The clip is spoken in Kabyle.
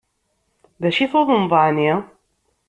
D acu i tuḍneḍ ɛni?